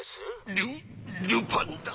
ルルパンだ。